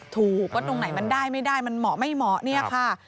ถูกว่าตรงไหนมันได้ไม่ได้มันเหมาะไม่เหมาะเนี่ยค่ะ